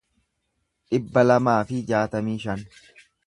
dhibba lamaa fi jaatamii shan